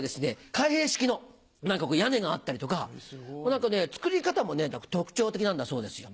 開閉式の屋根があったりとか造り方も特徴的なんだそうですよ。